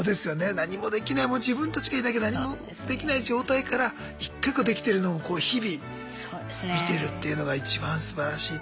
何もできないもう自分たちがいなきゃ何もできない状態から一個一個できてるのをこう日々見てるっていうのが一番すばらしい。